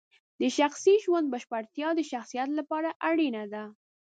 د شخصي ژوند بشپړتیا د شخصیت لپاره اړینه ده.